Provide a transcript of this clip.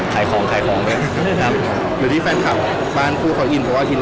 เหมือนดุเหดือดเหมือนกันเนอะ